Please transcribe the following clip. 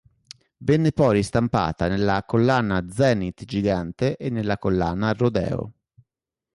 Venne poi ristampata nella Collana Zenith Gigante e nella Collana Rodeo.